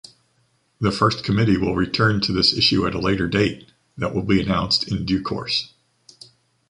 The First Committee will return to this issue at a later date that will be announced in due course.